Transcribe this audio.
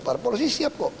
parpol sih siap kok